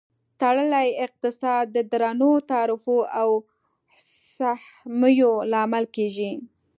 تړلی اقتصاد د درنو تعرفو او سهمیو لامل کیږي.